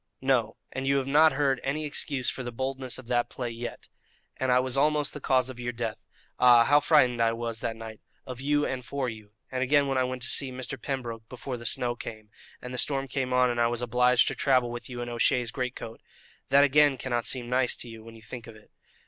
"No, and you have not heard any excuse for the boldness of that play yet. And I was almost the cause of your death. Ah! how frightened I was that night of you and for you! And again when I went to see Mr. Pembroke before the snow came, and the storm came on and I was obliged to travel with you in O'Shea's great coat that again cannot seem nice to you when you think of it.